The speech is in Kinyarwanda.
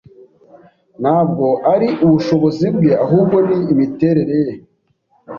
Ntabwo ari ubushobozi bwe, ahubwo ni imiterere ye.